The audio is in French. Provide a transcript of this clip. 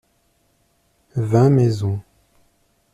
Vingt maisons.